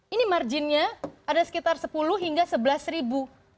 ini marginnya ada sekitar rp sepuluh hingga rp sebelas